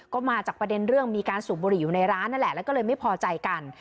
ก็มาจากประเด็นเรื่องมีการสูบบุหรี่อยู่ในร้านนั่นแหละแล้วก็เลยไม่พอใจกัน